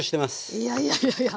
いやいやいやいや。